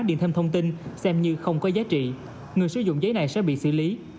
điền thêm thông tin xem như không có giá trị người sử dụng giấy này sẽ bị xử lý